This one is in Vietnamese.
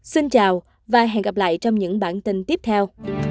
xin chào và hẹn gặp lại trong những bản tin tiếp theo